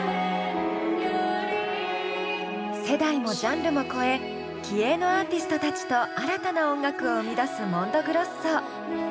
世代もジャンルも超え気鋭のアーティストたちと新たな音楽を生み出すＭＯＮＤＯＧＲＯＳＳＯ。